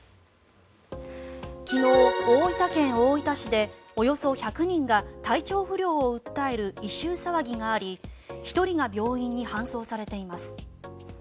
昨日、大分県大分市でおよそ１００人が体調不良を訴える異臭騒ぎがあり１人が病院に搬送されています。